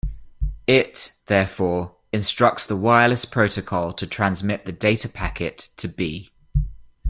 It, therefore, instructs the wireless protocol to transmit the data packet to "B".